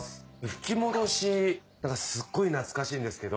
吹き戻しすっごい懐かしいんですけど。